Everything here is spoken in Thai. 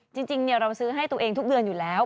จริงเราซื้อให้ตัวเองทุกเดือนอยู่แล้ว